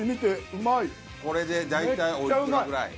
これで大体おいくらぐらい？